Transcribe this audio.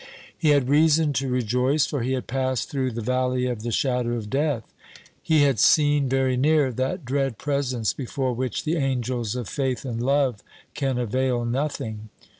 He had reason to rejoice; for he had passed through the valley of the shadow of death. He had seen, very near, that dread presence before which the angels of faith and love can avail nothing.